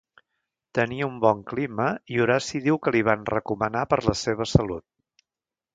Tenia un bon clima i Horaci diu que li van recomanar per la seva salut.